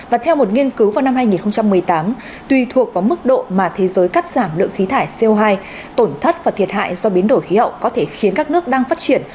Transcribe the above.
và theo một nghiên cứu vào năm hai nghìn một mươi tám tùy thuộc vào mức độ mà thế giới cắt giảm lượng khí thải co hai tổn thất và thiệt hại do biến đổi khí hậu có thể khiến các nước đang phát triển